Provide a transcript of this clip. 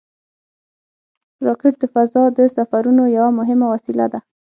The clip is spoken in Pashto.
راکټ د فضا د سفرونو یوه مهمه وسیله ده